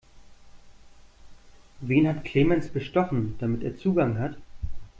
Wen hat Clemens bestochen, damit er Zugang hat?